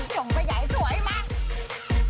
หยุ่งประหยัยสวยมาก